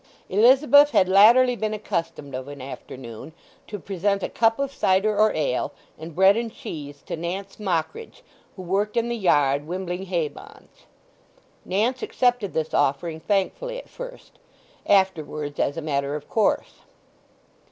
Elizabeth had latterly been accustomed of an afternoon to present a cup of cider or ale and bread and cheese to Nance Mockridge, who worked in the yard wimbling hay bonds. Nance accepted this offering thankfully at first; afterwards as a matter of course.